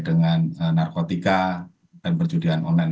dengan narkotika dan perjudian online